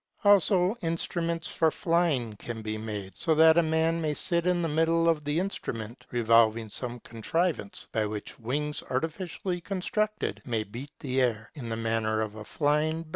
Also instruments for flying can be made, so that a man may sit in the middle of the instrument, revolving some contriv ance by which wings artificially constructed may beat the air, in the manner of a bird flying.